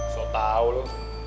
so tau lu